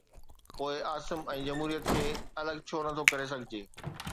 پوءِ عاصم ۽ جمهوريت کي الڳ ڇو نٿو ڪري سگهجي؟